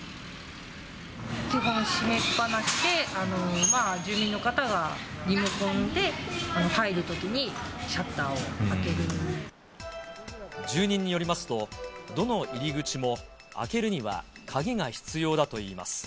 基本、閉めっぱなしで住民の方がリモコンで入るときにシャッターを開け住人によりますと、どの入り口も開けるには鍵が必要だといいます。